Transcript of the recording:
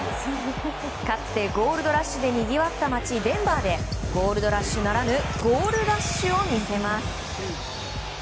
かつてゴールドラッシュでにぎわった街、デンバーでゴールドラッシュならぬゴールラッシュを見せます。